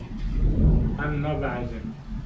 Em nabehecin.